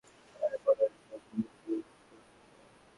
নতুন বাংলা ছাত্রসমাজ কোণঠাসা হয়ে পড়ায় এরশাদ সংগঠনটিকে বিলুপ্ত ঘোষণা করেন।